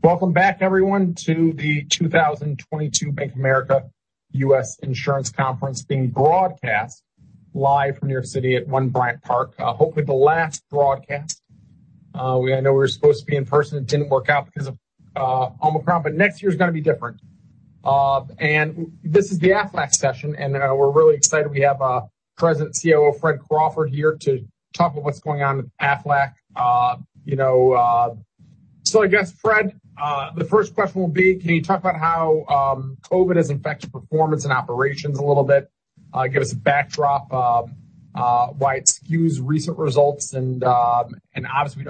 Welcome back everyone to the 2022 Bank of America U.S. Insurance Conference being broadcast live from New York City at One Bryant Park. Hopefully the last broadcast. I know we were supposed to be in person. It didn't work out because of Omicron, next year's going to be different. This is the Aflac session, we're really excited. We have President and COO Fred Crawford here to talk about what's going on with Aflac. I guess, Fred, the first question will be, can you talk about how COVID has affected performance and operations a little bit? Give us a backdrop of why it skews recent results, we don't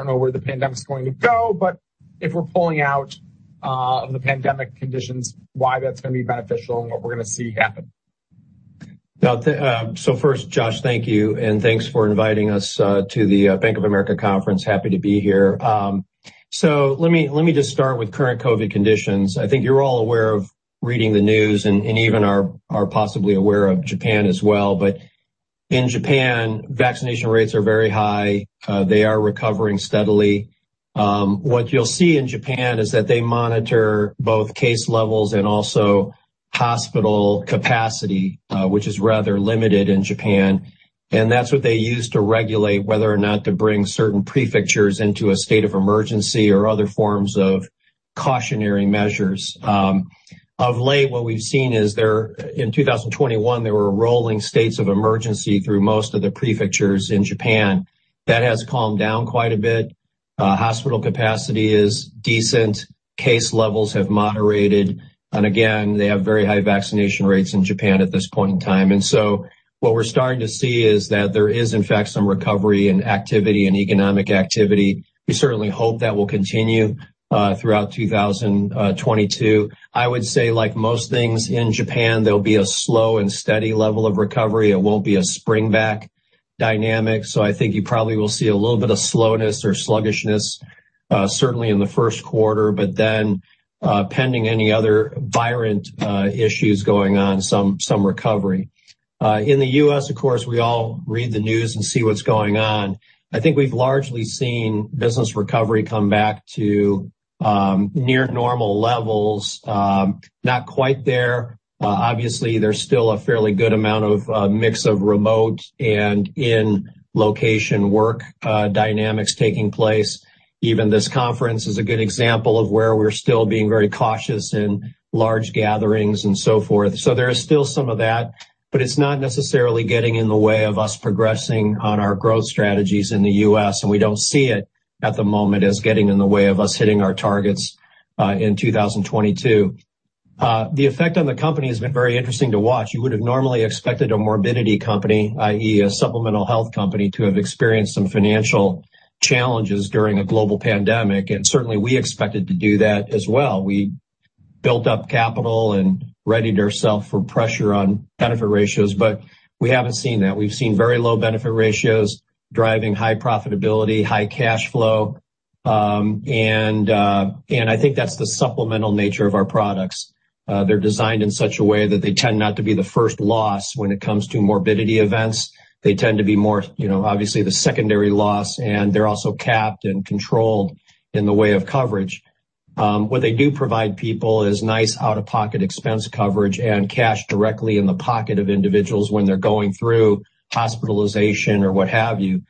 know where the pandemic's going to go, if we're pulling out of the pandemic conditions, why that's going to be beneficial and what we're going to see happen. First, Josh, thank you, thanks for inviting us to the Bank of America conference. Happy to be here. Let me just start with current COVID conditions. I think you're all aware of reading the news even are possibly aware of Japan as well. In Japan, vaccination rates are very high. They are recovering steadily. What you'll see in Japan is that they monitor both case levels also hospital capacity, which is rather limited in Japan, that's what they use to regulate whether or not to bring certain prefectures into a state of emergency or other forms of cautionary measures. Of late, what we've seen is in 2021, there were rolling states of emergency through most of the prefectures in Japan. That has calmed down quite a bit. Hospital capacity is decent. Case levels have moderated, again, they have very high vaccination rates in Japan at this point in time. What we're starting to see is that there is, in fact, some recovery in activity economic activity. We certainly hope that will continue throughout 2022. I would say, like most things in Japan, there'll be a slow and steady level of recovery. It won't be a spring back dynamic. I think you probably will see a little bit of slowness or sluggishness, certainly in the first quarter, pending any other virulent issues going on, some recovery. In the U.S., of course, we all read the news and see what's going on. I think we've largely seen business recovery come back to near normal levels. Not quite there. Obviously, there's still a fairly good amount of mix of remote and in-location work dynamics taking place. Even this conference is a good example of where we're still being very cautious in large gatherings and so forth. There is still some of that, it's not necessarily getting in the way of us progressing on our growth strategies in the U.S., we don't see it, at the moment, as getting in the way of us hitting our targets in 2022. The effect on the company has been very interesting to watch. You would have normally expected a morbidity company, i.e. a supplemental health company, to have experienced some financial challenges during a global pandemic, we expected to do that as well. We built up capital readied ourself for pressure on benefit ratios, we haven't seen that. We've seen very low benefit ratios driving high profitability, high cash flow, I think that's the supplemental nature of our products. They're designed in such a way that they tend not to be the first loss when it comes to morbidity events. They tend to be more, obviously, the secondary loss, and they're also capped and controlled in the way of coverage. What they do provide people is nice out-of-pocket expense coverage and cash directly in the pocket of individuals when they're going through hospitalization or what have you.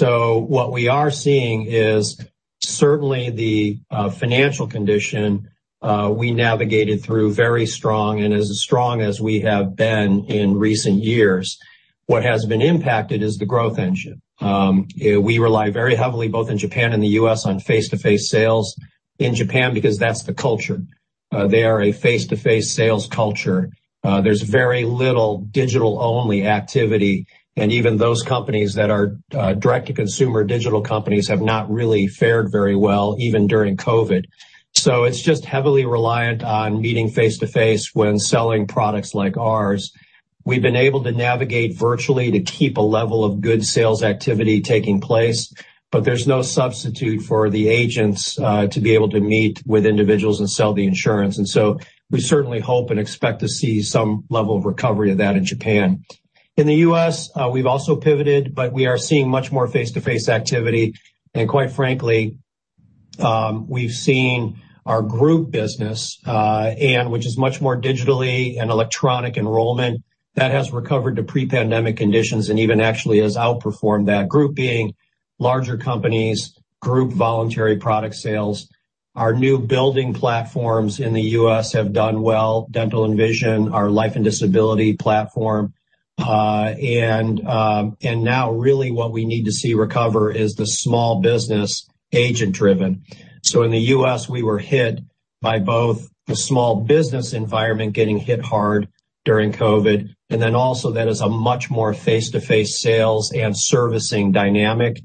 What we are seeing is certainly the financial condition we navigated through very strong and as strong as we have been in recent years. What has been impacted is the growth engine. We rely very heavily, both in Japan and the U.S., on face-to-face sales. In Japan, because that's the culture. They are a face-to-face sales culture. There's very little digital-only activity, and even those companies that are direct-to-consumer digital companies have not really fared very well, even during COVID. It's just heavily reliant on meeting face-to-face when selling products like ours. We've been able to navigate virtually to keep a level of good sales activity taking place, but there's no substitute for the agents to be able to meet with individuals and sell the insurance. We certainly hope and expect to see some level of recovery of that in Japan. In the U.S., we've also pivoted, but we are seeing much more face-to-face activity, and quite frankly, we've seen our group business, which is much more digitally and electronic enrollment, that has recovered to pre-pandemic conditions and even actually has outperformed that. Group being larger companies, group voluntary product sales. Our new building platforms in the U.S. have done well, dental and vision, our life and disability platform. Now really what we need to see recover is the small business agent-driven. In the U.S., we were hit by both the small business environment getting hit hard during COVID, and then also that is a much more face-to-face sales and servicing dynamic,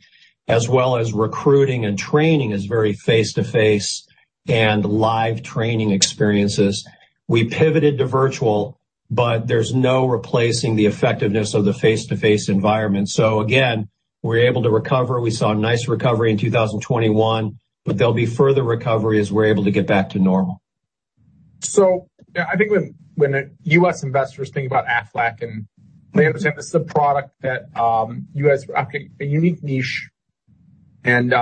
as well as recruiting and training is very face-to-face and live training experiences. We pivoted to virtual, but there's no replacing the effectiveness of the face-to-face environment. Again, we're able to recover. We saw a nice recovery in 2021, but there'll be further recovery as we're able to get back to normal. I think when U.S. investors think about Aflac and they understand this is a product that U.S. occupy a unique niche, and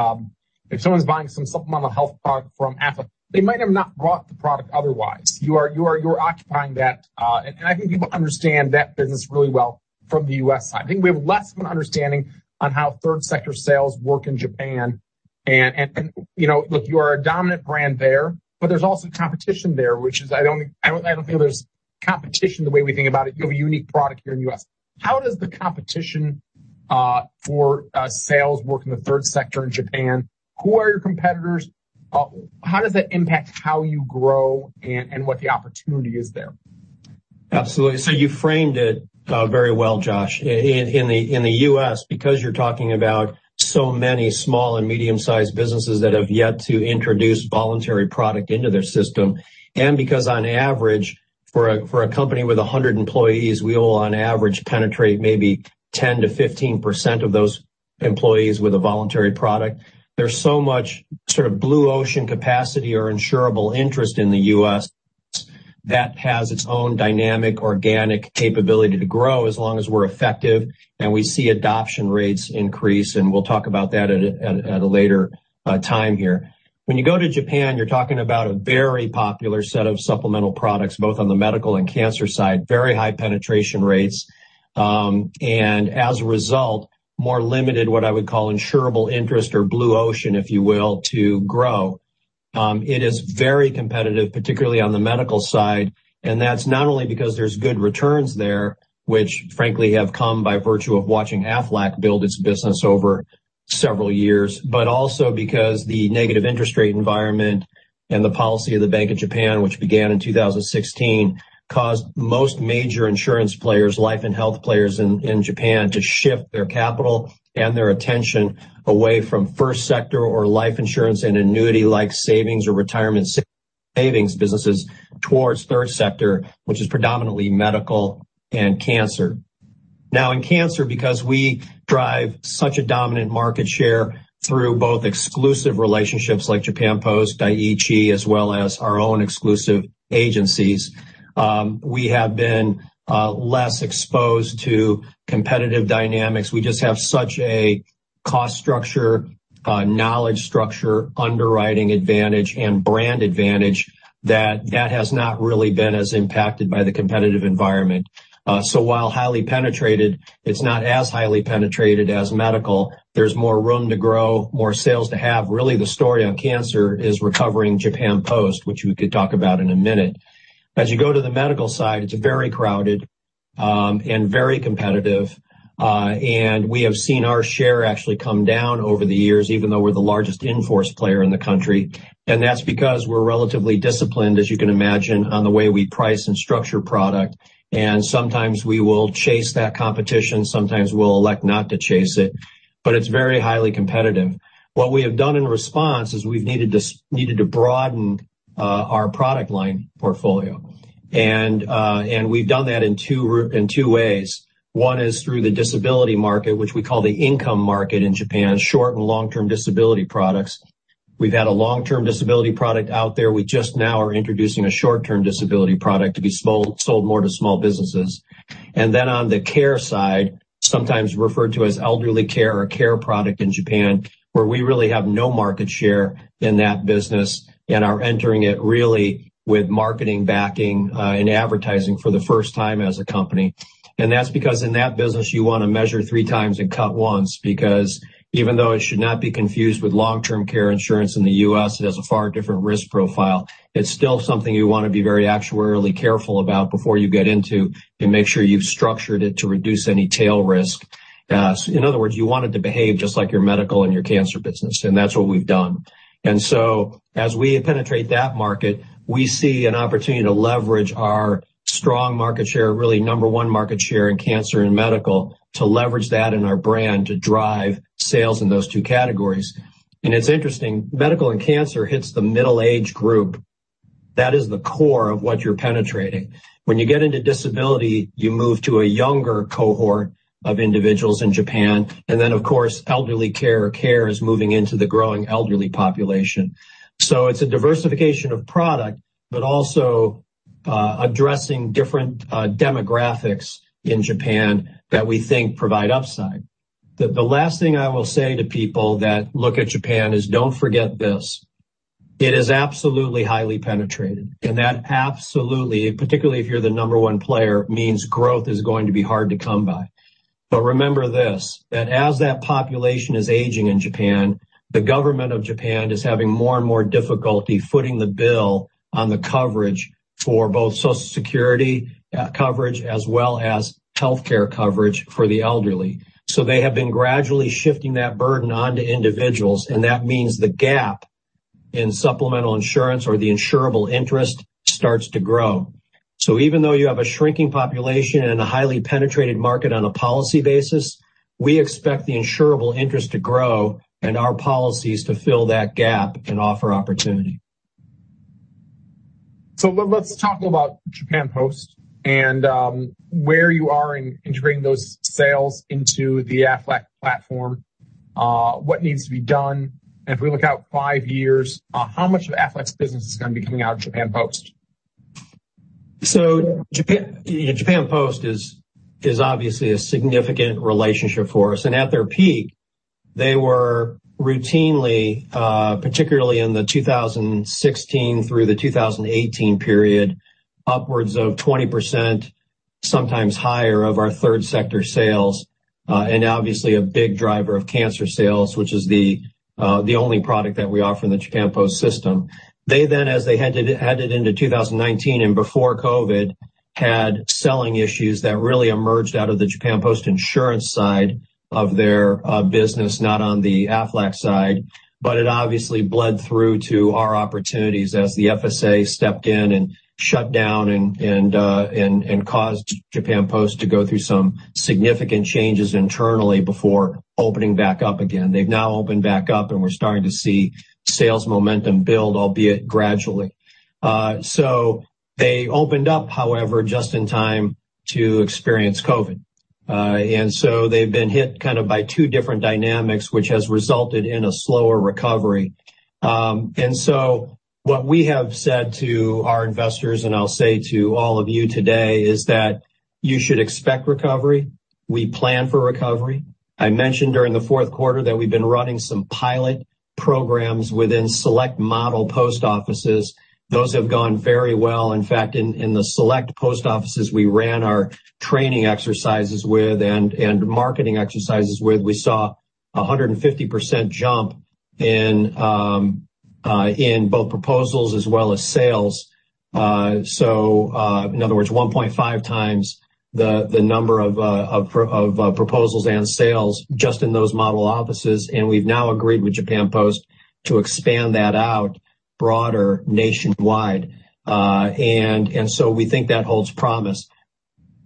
if someone's buying some supplemental health product from Aflac, they might have not bought the product otherwise. You're occupying that. I think people understand that business really well from the U.S. side. I think we have less of an understanding on how third sector sales work in Japan. Look, you are a dominant brand there, but there's also competition there, which is I don't feel there's competition the way we think about it. You have a unique product here in the U.S. How does the competition for sales work in the third sector in Japan? Who are your competitors? How does that impact how you grow and what the opportunity is there? Absolutely. You framed it very well, Josh. In the U.S., because you're talking about so many small and medium-sized businesses that have yet to introduce voluntary product into their system, and because on average, for a company with 100 employees, we will on average penetrate maybe 10%-15% of those employees with a voluntary product. There's so much sort of blue ocean capacity or insurable interest in the U.S. that has its own dynamic, organic capability to grow as long as we're effective, and we see adoption rates increase, and we'll talk about that at a later time here. When you go to Japan, you're talking about a very popular set of supplemental products, both on the medical and cancer side, very high penetration rates. As a result, more limited, what I would call insurable interest or blue ocean, if you will, to grow. It is very competitive, particularly on the medical side, that's not only because there's good returns there, which frankly have come by virtue of watching Aflac build its business over several years, but also because the negative interest rate environment and the policy of the Bank of Japan, which began in 2016, caused most major insurance players, life and health players in Japan, to shift their capital and their attention away from first sector or life insurance and annuity-like savings or retirement savings businesses towards third sector, which is predominantly medical and cancer. In cancer, because we drive such a dominant market share through both exclusive relationships like Japan Post, Dai-ichi, as well as our own exclusive agencies, we have been less exposed to competitive dynamics. We just have such a cost structure, knowledge structure, underwriting advantage, and brand advantage that that has not really been as impacted by the competitive environment. While highly penetrated, it's not as highly penetrated as medical. There's more room to grow, more sales to have. Really, the story on cancer is recovering Japan Post, which we could talk about in a minute. As you go to the medical side, it's very crowded and very competitive. We have seen our share actually come down over the years, even though we're the largest in-force player in the country. That's because we're relatively disciplined, as you can imagine, on the way we price and structure product. Sometimes we will chase that competition, sometimes we'll elect not to chase it, but it's very highly competitive. What we have done in response is we've needed to broaden our product line portfolio. We've done that in two ways. One is through the disability market, which we call the income market in Japan, short and long-term disability products. We've had a long-term disability product out there. We just now are introducing a short-term disability product to be sold more to small businesses. Then on the care side, sometimes referred to as elderly care or care product in Japan, where we really have no market share in that business and are entering it really with marketing backing and advertising for the first time as a company. That's because in that business, you want to measure three times and cut once, because even though it should not be confused with long-term care insurance in the U.S., it has a far different risk profile. It's still something you want to be very actuarially careful about before you get into to make sure you've structured it to reduce any tail risk. In other words, you want it to behave just like your medical and your cancer business, and that's what we've done. As we penetrate that market, we see an opportunity to leverage our strong market share, really number one market share in cancer and medical to leverage that in our brand to drive sales in those two categories. It's interesting, medical and cancer hits the middle-age group. That is the core of what you're penetrating. When you get into disability, you move to a younger cohort of individuals in Japan, and then, of course, elderly care or care is moving into the growing elderly population. It's a diversification of product, but also addressing different demographics in Japan that we think provide upside. The last thing I will say to people that look at Japan is don't forget this, it is absolutely highly penetrated, and that absolutely, particularly if you're the number one player, means growth is going to be hard to come by. Remember this, that as that population is aging in Japan, the government of Japan is having more and more difficulty footing the bill on the coverage for both Social Security coverage as well as healthcare coverage for the elderly. They have been gradually shifting that burden onto individuals, and that means the gap in supplemental insurance or the insurable interest starts to grow. Even though you have a shrinking population and a highly penetrated market on a policy basis, we expect the insurable interest to grow and our policies to fill that gap and offer opportunity. Let's talk about Japan Post and where you are in integrating those sales into the Aflac platform. What needs to be done? If we look out five years, how much of Aflac's business is going to be coming out of Japan Post? Japan Post is obviously a significant relationship for us. At their peak, they were routinely, particularly in the 2016 through the 2018 period, upwards of 20%, sometimes higher, of our third sector sales, obviously a big driver of cancer sales, which is the only product that we offer in the Japan Post system. As they headed into 2019, before COVID, had selling issues that really emerged out of the Japan Post insurance side of their business, not on the Aflac side. It obviously bled through to our opportunities as the FSA stepped in and shut down and caused Japan Post to go through some significant changes internally before opening back up again. They've now opened back up, we're starting to see sales momentum build, albeit gradually. They opened up, however, just in time to experience COVID. They've been hit kind of by two different dynamics, which has resulted in a slower recovery. What we have said to our investors, I'll say to all of you today, is that you should expect recovery. We plan for recovery. I mentioned during the fourth quarter that we've been running some pilot programs within select model post offices. Those have gone very well. In fact, in the select post offices we ran our training exercises with and marketing exercises with, we saw 150% jump in both proposals as well as sales. In other words, 1.5 times the number of proposals and sales just in those model offices. We've now agreed with Japan Post to expand that out broader nationwide. We think that holds promise.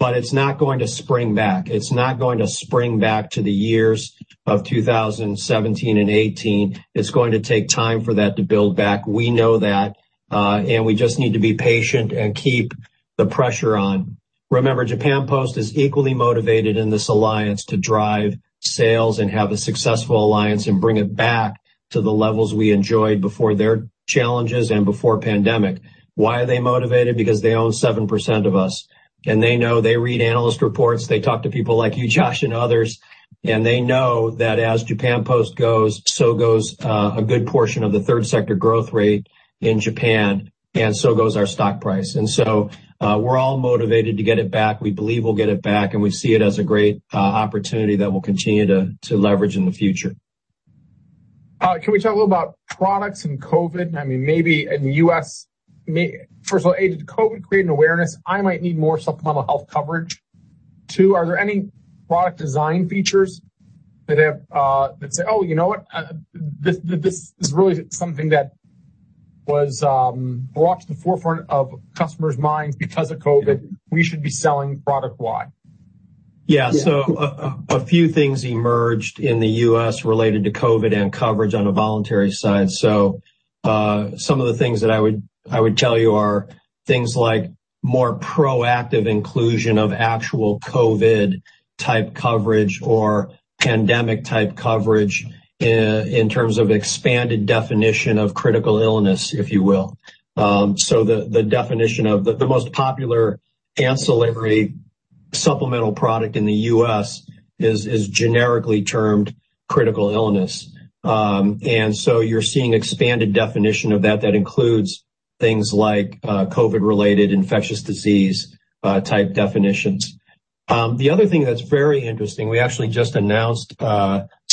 It's not going to spring back. It's not going to spring back to the years of 2017 and 2018. It's going to take time for that to build back. We know that, we just need to be patient and keep the pressure on. Remember, Japan Post is equally motivated in this alliance to drive sales and have a successful alliance and bring it back to the levels we enjoyed before their challenges and before pandemic. Why are they motivated? They own 7% of us, they know. They read analyst reports. They talk to people like you, Josh, and others, they know that as Japan Post goes, so goes a good portion of the third sector growth rate in Japan, so goes our stock price. We're all motivated to get it back. We believe we'll get it back, we see it as a great opportunity that we'll continue to leverage in the future. Can we talk a little about products and COVID? I mean, maybe in the U.S., first of all, A, did COVID create an awareness I might need more supplemental health coverage? Two, are there any product design features that say, "Oh, you know what? This is really something that was brought to the forefront of customers' minds because of COVID. We should be selling product Y. Yeah. A few things emerged in the U.S. related to COVID and coverage on a voluntary side. Some of the things that I would tell you are things like more proactive inclusion of actual COVID-type coverage or pandemic-type coverage in terms of expanded definition of critical illness, if you will. The definition of the most popular ancillary supplemental product in the U.S. is generically termed critical illness. You're seeing expanded definition of that that includes things like COVID-related infectious disease type definitions. The other thing that's very interesting, we actually just announced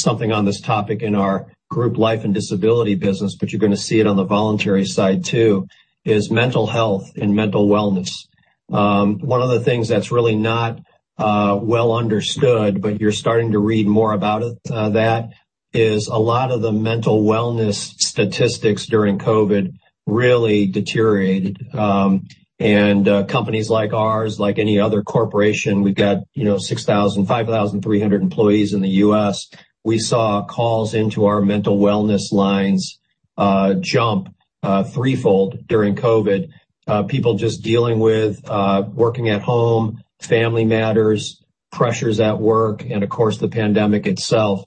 something on this topic in our group life and disability business, but you're going to see it on the voluntary side, too, is mental health and mental wellness. One of the things that's really not well understood, but you're starting to read more about that, is a lot of the mental wellness statistics during COVID really deteriorated. Companies like ours, like any other corporation, we've got 6,000, 5,300 employees in the U.S. We saw calls into our mental wellness lines jump threefold during COVID. People just dealing with working at home, family matters, pressures at work, and of course, the pandemic itself.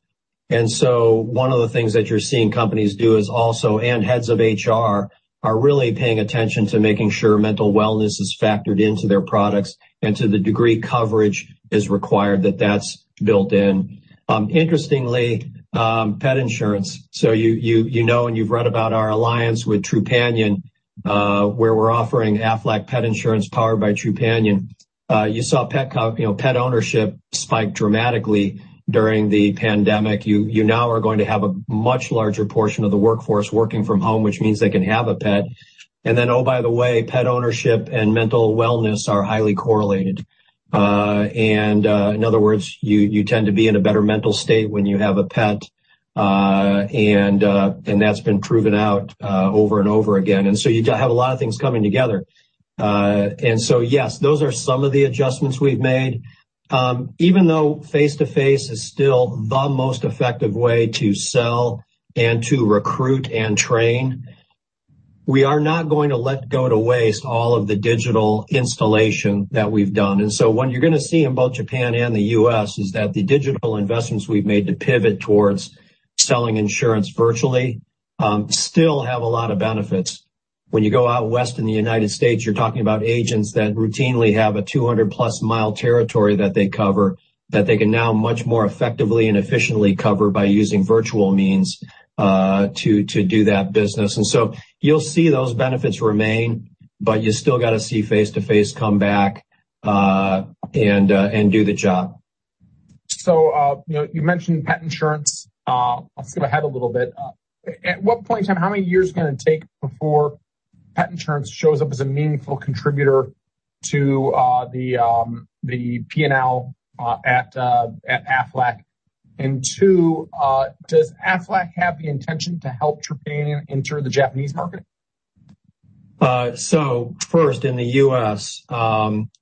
One of the things that you're seeing companies do is also, and heads of HR, are really paying attention to making sure mental wellness is factored into their products and to the degree coverage is required that that's built in. Interestingly, pet insurance. You know and you've read about our alliance with Trupanion, where we're offering Aflac Pet Insurance, powered by Trupanion. You saw pet ownership spike dramatically during the pandemic. You now are going to have a much larger portion of the workforce working from home, which means they can have a pet. Oh, by the way, pet ownership and mental wellness are highly correlated. In other words, you tend to be in a better mental state when you have a pet, and that's been proven out over and over again. You have a lot of things coming together. Yes, those are some of the adjustments we've made. Even though face-to-face is still the most effective way to sell and to recruit and train. We are not going to let go to waste all of the digital installation that we've done. What you're going to see in both Japan and the U.S. is that the digital investments we've made to pivot towards selling insurance virtually, still have a lot of benefits. When you go out west in the U.S., you're talking about agents that routinely have a 200-plus-mile territory that they cover, that they can now much more effectively and efficiently cover by using virtual means to do that business. You'll see those benefits remain, but you still got to see face-to-face come back, and do the job. You mentioned pet insurance. I'll skip ahead a little bit. At what point in time, how many years is it going to take before pet insurance shows up as a meaningful contributor to the P&L at Aflac? Two, does Aflac have the intention to help Trupanion enter the Japanese market? First, in the U.S.,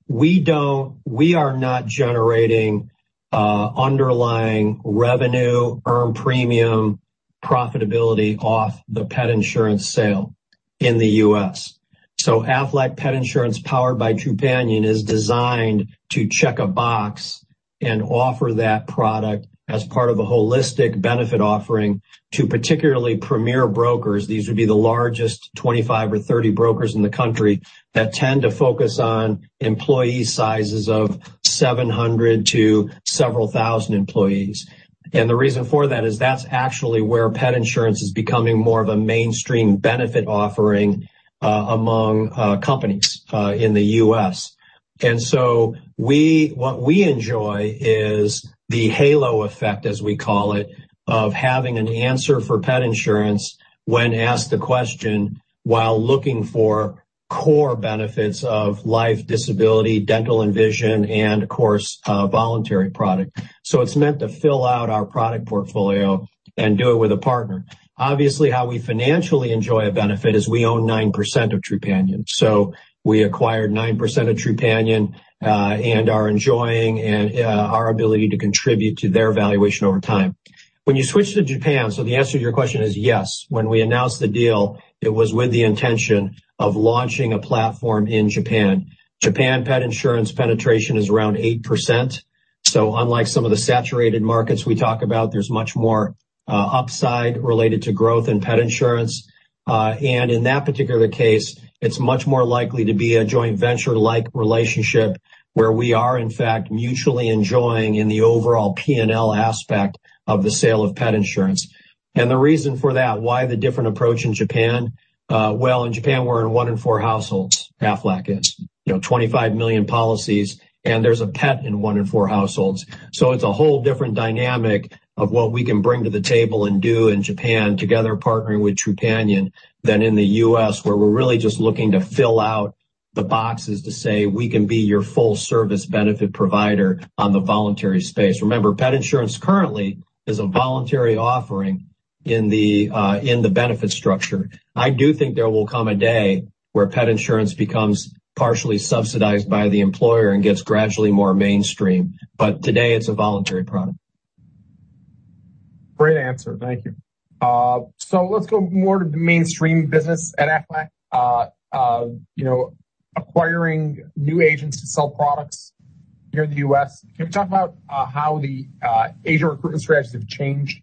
we are not generating underlying revenue, earned premium profitability off the pet insurance sale in the U.S. Aflac Pet Insurance, powered by Trupanion is designed to check a box and offer that product as part of a holistic benefit offering to particularly premier brokers. These would be the largest 25 or 30 brokers in the country that tend to focus on employee sizes of 700 to several thousand employees. The reason for that is that's actually where pet insurance is becoming more of a mainstream benefit offering among companies in the U.S. What we enjoy is the halo effect, as we call it, of having an answer for pet insurance when asked the question while looking for core benefits of life, disability, dental and vision, and of course, voluntary product. It's meant to fill out our product portfolio and do it with a partner. Obviously, how we financially enjoy a benefit is we own 9% of Trupanion. We acquired 9% of Trupanion, and are enjoying our ability to contribute to their valuation over time. When you switch to Japan, the answer to your question is yes, when we announced the deal, it was with the intention of launching a platform in Japan. Japan pet insurance penetration is around 8%. Unlike some of the saturated markets we talk about, there's much more upside related to growth in pet insurance. In that particular case, it's much more likely to be a joint venture-like relationship where we are, in fact, mutually enjoying in the overall P&L aspect of the sale of pet insurance. The reason for that, why the different approach in Japan? In Japan, we're in one in four households, Aflac is, 25 million policies, and there's a pet in one in four households. It's a whole different dynamic of what we can bring to the table and do in Japan together partnering with Trupanion than in the U.S., where we're really just looking to fill out the boxes to say, "We can be your full service benefit provider on the voluntary space." Remember, pet insurance currently is a voluntary offering in the benefit structure. I do think there will come a day where pet insurance becomes partially subsidized by the employer and gets gradually more mainstream. Today it's a voluntary product. Great answer. Thank you. Let's go more to the mainstream business at Aflac. Acquiring new agents to sell products here in the U.S. Can you talk about how the agent recruitment strategies have changed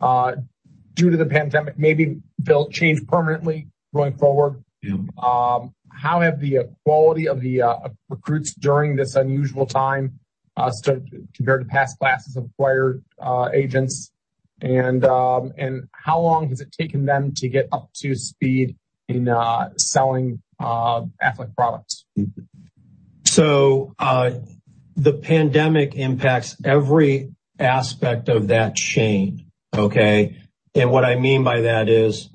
due to the pandemic? Maybe they'll change permanently going forward. Yeah. How have the quality of the recruits during this unusual time compared to past classes acquired agents and how long has it taken them to get up to speed in selling Aflac products? The pandemic impacts every aspect of that chain. Okay. What I mean by that is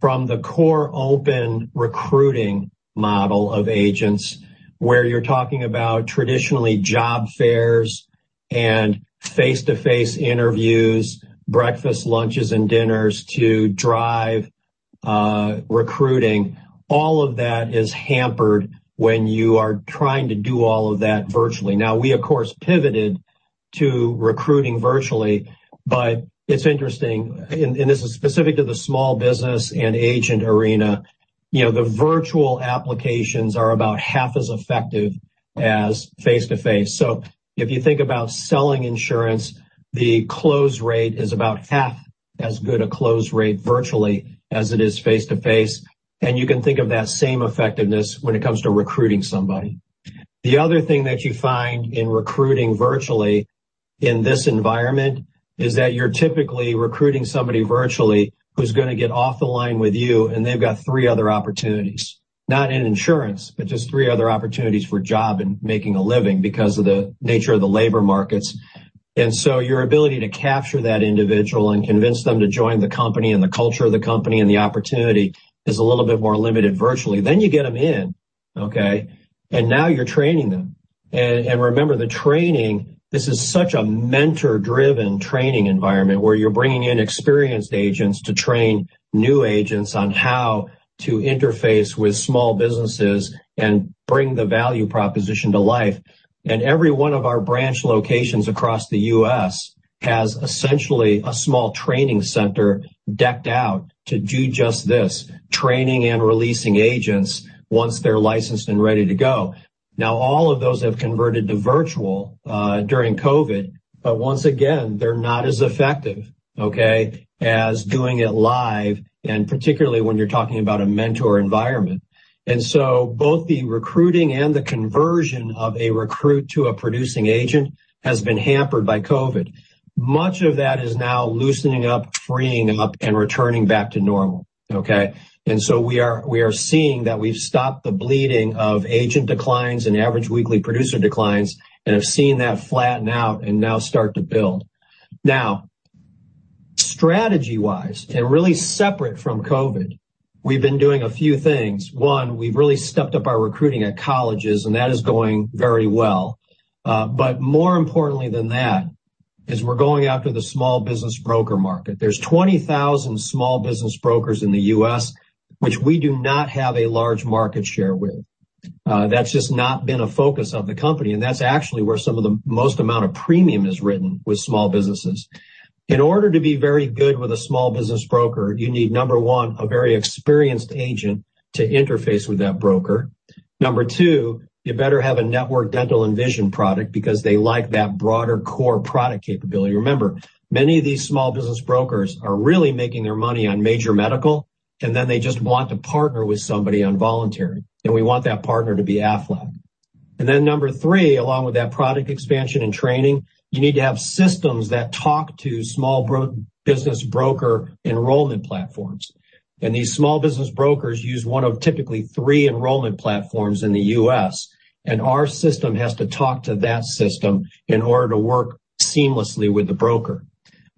from the core open recruiting model of agents, where you're talking about traditionally job fairs and face-to-face interviews, breakfast, lunches, and dinners to drive recruiting, all of that is hampered when you are trying to do all of that virtually. We of course, pivoted to recruiting virtually, but it's interesting, and this is specific to the small business and agent arena, the virtual applications are about half as effective as face-to-face. If you think about selling insurance, the close rate is about half as good a close rate virtually as it is face-to-face, and you can think of that same effectiveness when it comes to recruiting somebody. The other thing that you find in recruiting virtually in this environment is that you're typically recruiting somebody virtually who's going to get off the line with you, and they've got three other opportunities. Not in insurance, but just three other opportunities for a job and making a living because of the nature of the labor markets. So your ability to capture that individual and convince them to join the company and the culture of the company and the opportunity is a little bit more limited virtually. Then you get them in, okay? Now you're training them. Remember the training, this is such a mentor-driven training environment where you're bringing in experienced agents to train new agents on how to interface with small businesses and bring the value proposition to life. Every one of our branch locations across the U.S. has essentially a small training center decked out to do just this, training and releasing agents once they're licensed and ready to go. All of those have converted to virtual during COVID, but once again, they're not as effective, okay, as doing it live, and particularly when you're talking about a mentor environment. So both the recruiting and the conversion of a recruit to a producing agent has been hampered by COVID. Much of that is now loosening up, freeing up, and returning back to normal, okay? So we are seeing that we've stopped the bleeding of agent declines and average weekly producer declines and have seen that flatten out and now start to build. Strategy-wise, and really separate from COVID, we've been doing a few things. One, we've really stepped up our recruiting at colleges, and that is going very well. More importantly than that is we're going after the small business broker market. There's 20,000 small business brokers in the U.S., which we do not have a large market share with. That's just not been a focus of the company, and that's actually where some of the most amount of premium is written, with small businesses. In order to be very good with a small business broker, you need, number 1, a very experienced agent to interface with that broker. Number 2, you better have a network dental and vision product because they like that broader core product capability. Remember, many of these small business brokers are really making their money on major medical, and then they just want to partner with somebody on voluntary, and we want that partner to be Aflac. Number 3, along with that product expansion and training, you need to have systems that talk to small business broker enrollment platforms. These small business brokers use one of typically three enrollment platforms in the U.S., and our system has to talk to that system in order to work seamlessly with the broker.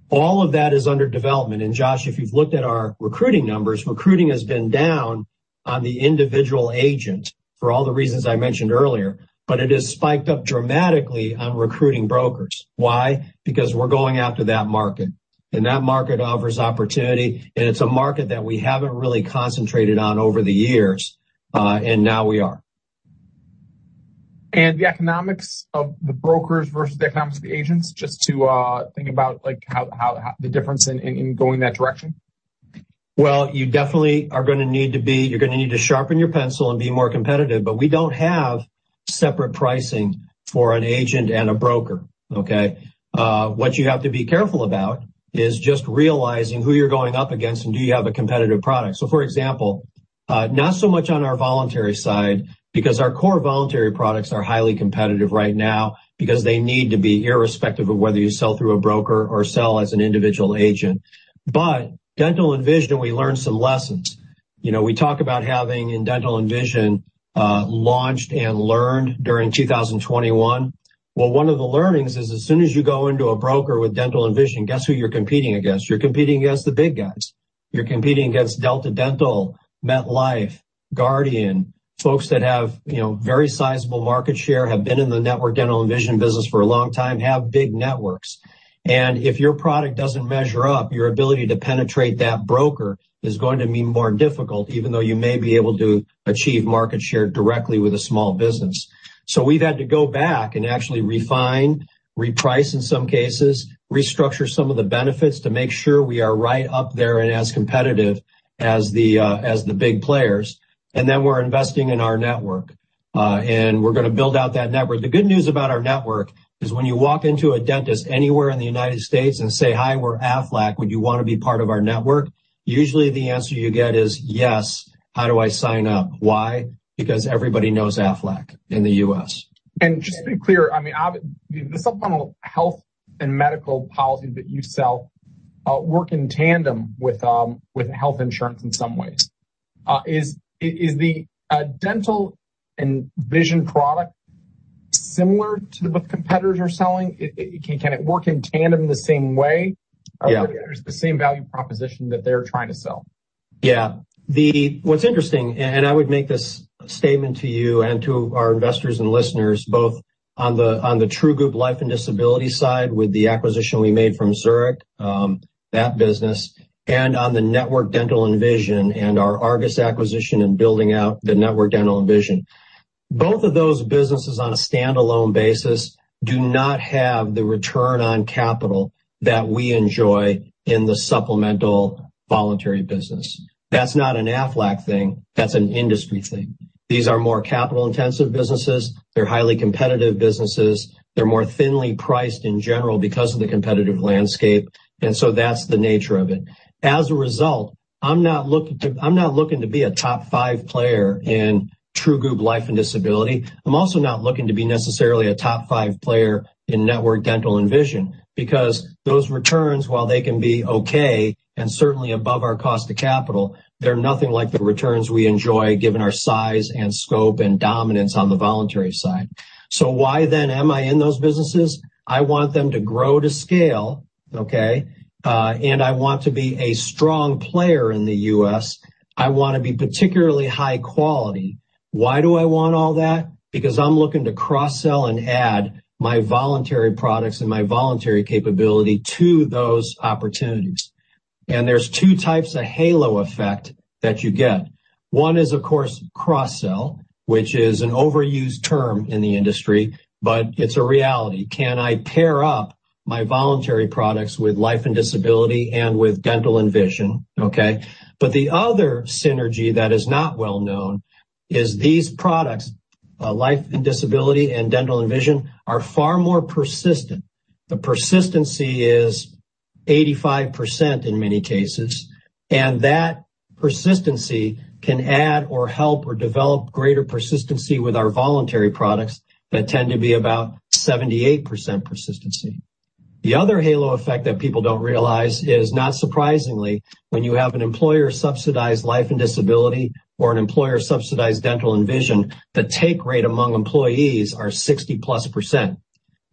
All of that is under development. Josh, if you've looked at our recruiting numbers, recruiting has been down on the individual agent for all the reasons I mentioned earlier, but it has spiked up dramatically on recruiting brokers. Why? Because we're going after that market, and that market offers opportunity, and it's a market that we haven't really concentrated on over the years, and now we are. The economics of the brokers versus the economics of the agents, just to think about the difference in going that direction? Well, you definitely you're going to need to sharpen your pencil and be more competitive, but we don't have separate pricing for an agent and a broker, okay? What you have to be careful about is just realizing who you're going up against and do you have a competitive product. For example, not so much on our voluntary side, because our core voluntary products are highly competitive right now because they need to be irrespective of whether you sell through a broker or sell as an individual agent. Dental and vision, we learned some lessons. We talk about having in dental and vision, launched and learned during 2021. Well, one of the learnings is as soon as you go into a broker with dental and vision, guess who you're competing against? You're competing against the big guys. You're competing against Delta Dental, MetLife, Guardian, folks that have very sizable market share, have been in the network dental and vision business for a long time, have big networks. If your product doesn't measure up, your ability to penetrate that broker is going to be more difficult, even though you may be able to achieve market share directly with a small business. We've had to go back and actually refine, reprice in some cases, restructure some of the benefits to make sure we are right up there and as competitive as the big players. Then we're investing in our network, and we're going to build out that network. The good news about our network is when you walk into a dentist anywhere in the U.S. and say, "Hi, we're Aflac, would you want to be part of our network?" Usually the answer you get is, "Yes. How do I sign up?" Why? Because everybody knows Aflac in the U.S. Just to be clear, I mean, the supplemental health and medical policies that you sell work in tandem with health insurance in some ways. Is the dental and vision product similar to what competitors are selling? Can it work in tandem the same way? Yeah. Is it the same value proposition that they're trying to sell? Yeah. What's interesting, I would make this statement to you and to our investors and listeners, both on the True Group Life and Disability side with the acquisition we made from Zurich, that business, on the network dental and vision and our Argus acquisition and building out the network dental and vision. Both of those businesses, on a standalone basis, do not have the Return on Capital that we enjoy in the supplemental voluntary business. That's not an Aflac thing, that's an industry thing. These are more capital-intensive businesses. They're highly competitive businesses. They're more thinly priced in general because of the competitive landscape, so that's the nature of it. As a result, I'm not looking to be a top five player in True Group Life and Disability. I'm also not looking to be necessarily a top five player in network dental and vision because those returns, while they can be okay and certainly above our cost of capital, they're nothing like the returns we enjoy given our size and scope and dominance on the voluntary side. Why then am I in those businesses? I want them to grow to scale, okay? I want to be a strong player in the U.S. I want to be particularly high quality. Why do I want all that? Because I'm looking to cross-sell and add my voluntary products and my voluntary capability to those opportunities. There's two types of halo effect that you get. One is, of course, cross-sell, which is an overused term in the industry, but it's a reality. Can I pair My voluntary products with life and disability and with dental and vision, okay? The other synergy that is not well known is these products, life and disability and dental and vision, are far more persistent. The persistency is 85% in many cases, and that persistency can add or help or develop greater persistency with our voluntary products that tend to be about 78% persistency. The other halo effect that people don't realize is, not surprisingly, when you have an employer-subsidized life and disability or an employer-subsidized dental and vision, the take rate among employees are 60-plus%,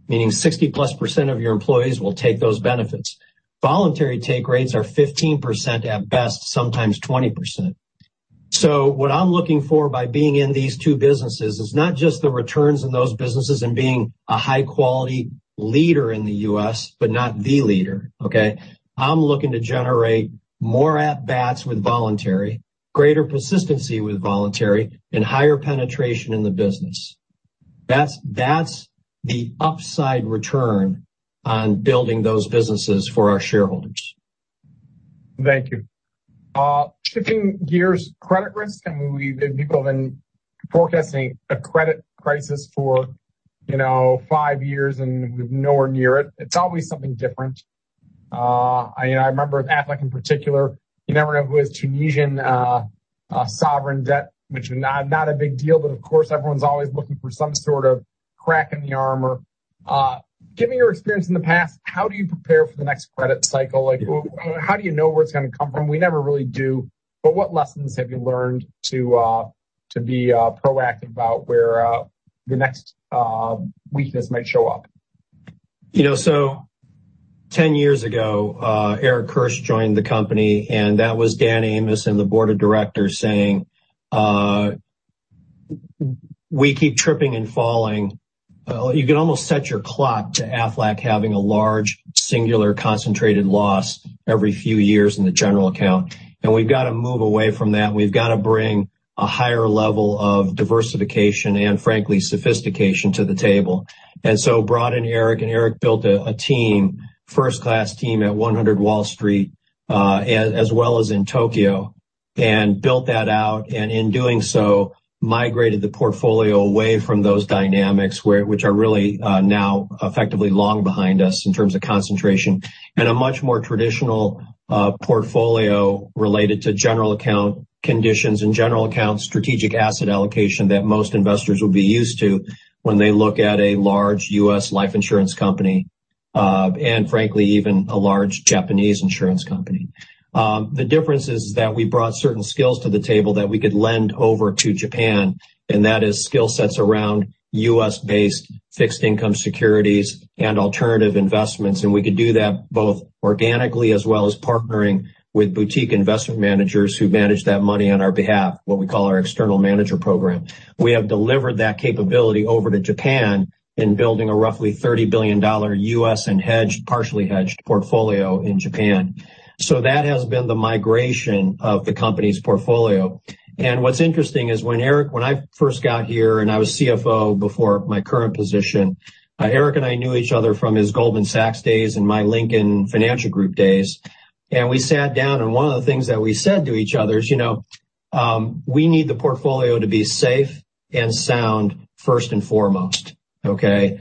meaning 60-plus% of your employees will take those benefits. Voluntary take rates are 15% at best, sometimes 20%. What I'm looking for by being in these two businesses is not just the returns in those businesses and being a high-quality leader in the U.S., but not the leader, okay? I'm looking to generate more at-bats with voluntary, greater persistency with voluntary, and higher penetration in the business. That's the upside return on building those businesses for our shareholders. Thank you. Shifting gears, credit risk. People have been forecasting a credit crisis for 5 years, and we're nowhere near it. It's always something different. I remember with Aflac in particular, you never know who has Tunisia sovereign debt, which is not a big deal, but of course, everyone's always looking for some sort of crack in the armor. Give me your experience in the past. How do you prepare for the next credit cycle? How do you know where it's going to come from? We never really do, but what lessons have you learned to be proactive about where the next weakness might show up? 10 years ago, Eric Kirsch joined the company, and that was Dan Amos and the board of directors saying, "We keep tripping and falling." You can almost set your clock to Aflac having a large, singular, concentrated loss every few years in the general account, and we've got to move away from that. We've got to bring a higher level of diversification and, frankly, sophistication to the table. Brought in Eric, and Eric built a team, first-class team at 100 Wall Street, as well as in Tokyo, and built that out, in doing so, migrated the portfolio away from those dynamics, which are really now effectively long behind us in terms of concentration, and a much more traditional portfolio related to general account conditions and general account strategic asset allocation that most investors will be used to when they look at a large U.S. life insurance company, and frankly, even a large Japanese insurance company. The difference is that we brought certain skills to the table that we could lend over to Japan, and that is skill sets around U.S.-based fixed income securities and alternative investments. We could do that both organically as well as partnering with boutique investment managers who manage that money on our behalf, what we call our external manager program. We have delivered that capability over to Japan in building a roughly $30 billion U.S. and hedged, partially hedged, portfolio in Japan. That has been the migration of the company's portfolio. What's interesting is when Eric, when I first got here, and I was CFO before my current position, Eric and I knew each other from his Goldman Sachs days and my Lincoln Financial Group days. We sat down, and one of the things that we said to each other is, "We need the portfolio to be safe and sound first and foremost, okay?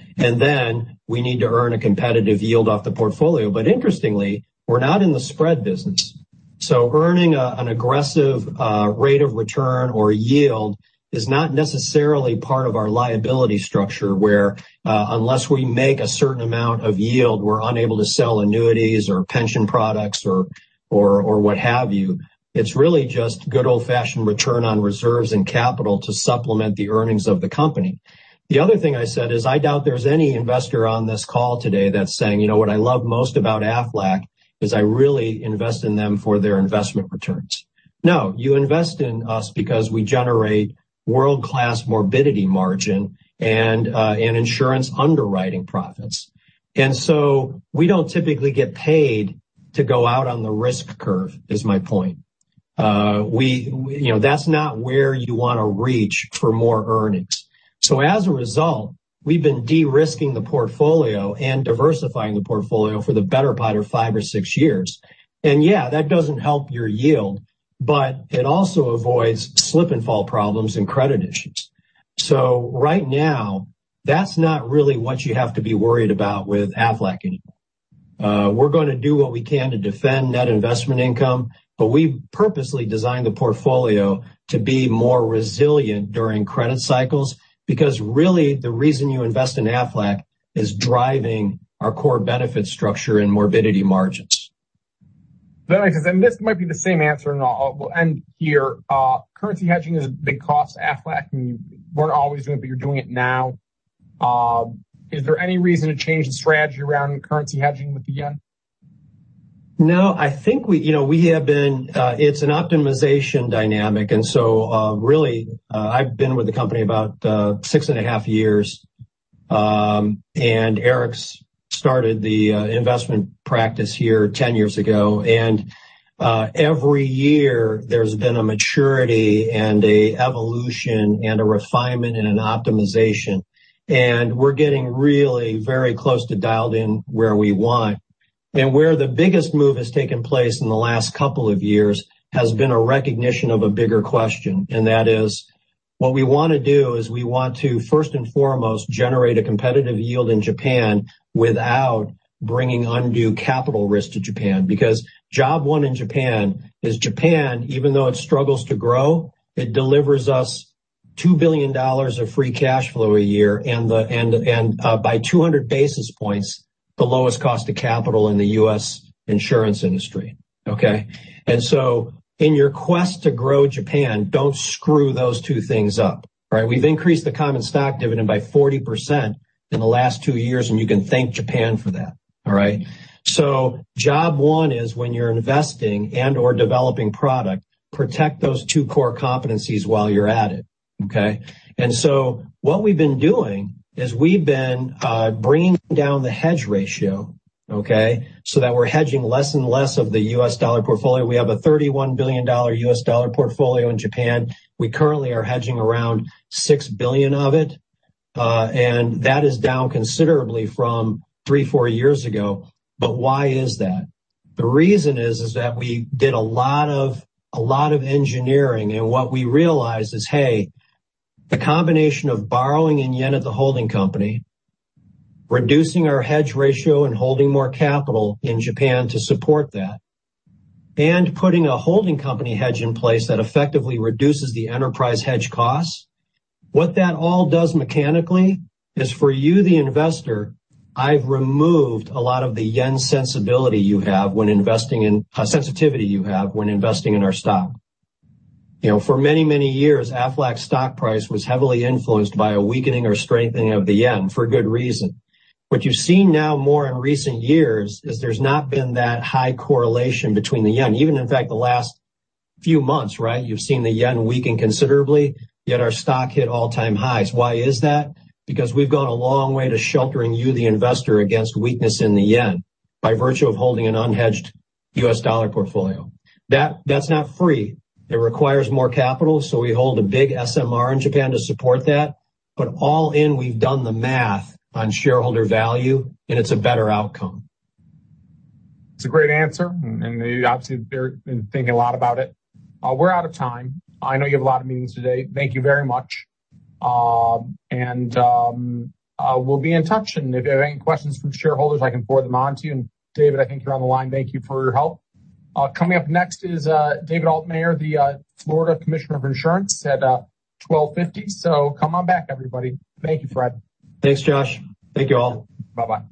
We need to earn a competitive yield off the portfolio." Interestingly, we're not in the spread business, so earning an aggressive rate of return or yield is not necessarily part of our liability structure where unless we make a certain amount of yield, we're unable to sell annuities or pension products or what have you. It's really just good old-fashioned return on reserves and capital to supplement the earnings of the company. The other thing I said is I doubt there's any investor on this call today that's saying, "What I love most about Aflac is I really invest in them for their investment returns." No, you invest in us because we generate world-class morbidity margin and insurance underwriting profits. We don't typically get paid to go out on the risk curve, is my point. That's not where you want to reach for more earnings. As a result, we've been de-risking the portfolio and diversifying the portfolio for the better part of five or six years. Yeah, that doesn't help your yield, but it also avoids slip and fall problems and credit issues. Right now, that's not really what you have to be worried about with Aflac anymore. We're going to do what we can to defend net investment income, but we've purposely designed the portfolio to be more resilient during credit cycles because really, the reason you invest in Aflac is driving our core benefit structure and morbidity margins. This might be the same answer, and I'll end here. Currency hedging is a big cost to Aflac, and you weren't always doing it, but you're doing it now. Is there any reason to change the strategy around currency hedging with the yen? No. It's an optimization dynamic. Really, I've been with the company about six and a half years, and Eric started the investment practice here 10 years ago. Every year, there's been a maturity and an evolution and a refinement and an optimization. We're getting really very close to dialed in where we want. Where the biggest move has taken place in the last couple of years has been a recognition of a bigger question, and that is, what we want to do is we want to first and foremost generate a competitive yield in Japan without bringing undue capital risk to Japan. Because job one in Japan is Japan, even though it struggles to grow, it delivers us $2 billion of free cash flow a year and by 200 basis points, the lowest cost of capital in the U.S. insurance industry. Okay? In your quest to grow Japan, don't screw those two things up. Right? We've increased the common stock dividend by 40% in the last two years, and you can thank Japan for that. All right? Job one is when you're investing and/or developing product, protect those two core competencies while you're at it. Okay? What we've been doing is we've been bringing down the hedge ratio, okay, so that we're hedging less and less of the U.S. dollar portfolio. We have a $31 billion U.S. dollar portfolio in Japan. We currently are hedging around $6 billion of it, and that is down considerably from three, four years ago. Why is that? The reason is that we did a lot of engineering, and what we realized is, hey, the combination of borrowing in yen at the holding company, reducing our hedge ratio and holding more capital in Japan to support that, and putting a holding company hedge in place that effectively reduces the enterprise hedge costs. What that all does mechanically is for you, the investor, I've removed a lot of the yen sensitivity you have when investing in our stock. For many, many years, Aflac stock price was heavily influenced by a weakening or strengthening of the yen for a good reason. What you've seen now more in recent years is there's not been that high correlation between the yen. Even, in fact, the last few months, right, you've seen the yen weaken considerably, yet our stock hit all-time highs. Why is that? We've gone a long way to sheltering you, the investor, against weakness in the yen by virtue of holding an unhedged US dollar portfolio. That's not free. It requires more capital, so we hold a big SMR in Japan to support that. All in, we've done the math on shareholder value, and it's a better outcome. It's a great answer, obviously, you've been thinking a lot about it. We're out of time. I know you have a lot of meetings today. Thank you very much. We'll be in touch, and if you have any questions from shareholders, I can forward them onto you. David, I think you're on the line. Thank you for your help. Coming up next is David Altmaier, the Florida Commissioner of Insurance at 12:50 P.M. Come on back, everybody. Thank you, Fred. Thanks, Josh. Thank you all. Bye-bye.